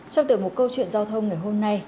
trong tưởng một câu chuyện giao thông ngày hôm nay